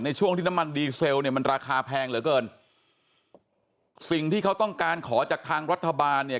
ช่วงที่น้ำมันดีเซลเนี่ยมันราคาแพงเหลือเกินสิ่งที่เขาต้องการขอจากทางรัฐบาลเนี่ย